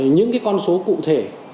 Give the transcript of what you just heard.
những cái con số cụ thể